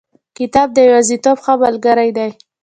کتاب د یوازیتوب ښه ملګری دی.